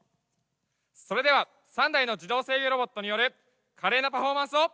それでは３台の自動制御ロボットによる華麗なパフォーマンスをどうぞ！